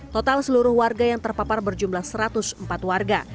total seluruh warga yang terpapar berjumlah satu ratus empat warga